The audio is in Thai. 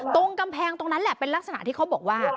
ตรงกำแพงตรงนั้นแหละเป็นลักษณะที่เขาบอกว่า